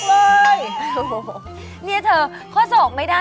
โอ้โหโอ้โหโอ้โห